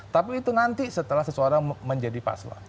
tapi itu nanti setelah sesuatu menjadi paslah